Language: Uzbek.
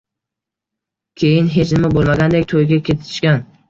Keyin hech nima bo`lmagandek to`yga ketishgan